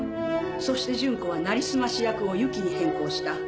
そして順子はなりすまし役をゆきに変更した。